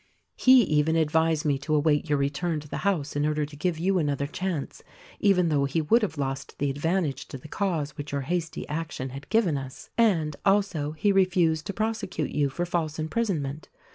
He even advised me to await your return to the house in order to give you another chance, even though he would have lost the advantage to the cause which your hasty action had given us — and, also, he refused to prosecute you for false imprisonment.